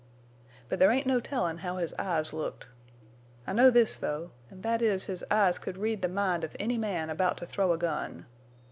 But there ain't no tellin' how his eyes looked. I know this, though, an' thet is his eyes could read the mind of any man about to throw a gun.